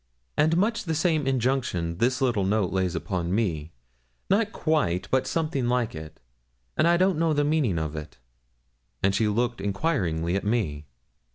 'And much the same injunction this little note lays upon me not quite, but something like it; and I don't know the meaning of it.' And she looked enquiringly at me.